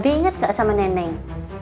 abi inget gak sama nenek